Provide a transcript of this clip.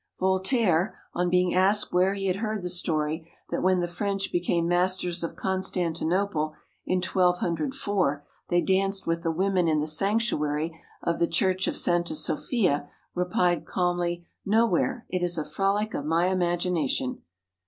Voltaire, on being asked where he had heard the story that when the French became masters of Constantinople in 1204 they danced with the women in the sanctuary of the Church of Santa Sophia, replied calmly: "Nowhere; it is a frolic of my imagination."